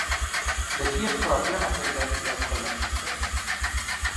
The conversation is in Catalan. De qui és pròpia la tendència al cromatisme?